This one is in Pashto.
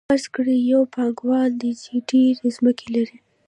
فرض کړئ یو پانګوال دی چې ډېرې ځمکې لري